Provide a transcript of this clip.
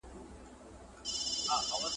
ایا انا به بیا ماشوم ته قهر شي؟